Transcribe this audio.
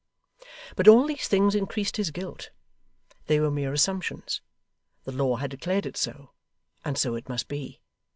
But all these things increased his guilt. They were mere assumptions. The law had declared it so, and so it must be.